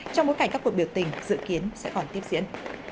trong bối cảnh các cuộc biểu tình dự kiến sẽ còn tiếp diễn